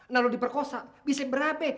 nah lu diperkosa bisa berapa